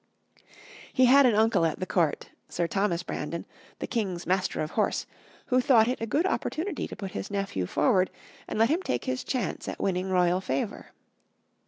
He had an uncle at the court, Sir Thomas Brandon, the king's Master of Horse, who thought it a good opportunity to put his nephew forward and let him take his chance at winning royal favor.